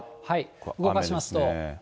動かしますと。